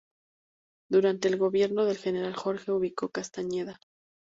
Durante el gobierno del general Jorge Ubico Castañeda.